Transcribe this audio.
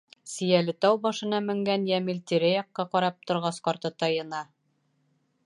Сейәлетау башына менгән Йәмил тирә-яҡҡа ҡарап торғас, ҡартатайына: